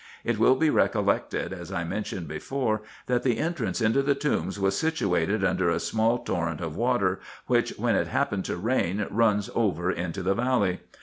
It will be recollected, as I mentioned before, that the entrance into the tombs was situated under a small torrent of water, which, when it happens to rain, runs over into the valley.